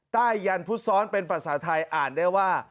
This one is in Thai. ยันฟุตซ้อนเป็นภาษาไทยอ่านได้ว่า